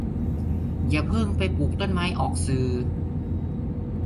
อย่าเพิ่งไปปลูกต้นไม้ออกสื่อ